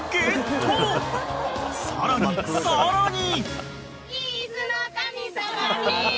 ［さらにさらに］